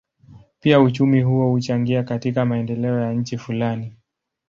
Pia uchumi huo huchangia katika maendeleo ya nchi fulani.